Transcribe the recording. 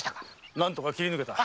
何とか切り抜けた。